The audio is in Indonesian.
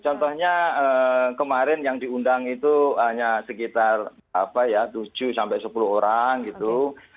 contohnya kemarin yang diundang itu hanya sekitar tujuh sampai sepuluh orang gitu